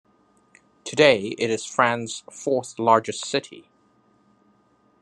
Today, it is France's fourth-largest city.